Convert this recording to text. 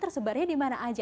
tersebarnya dimana aja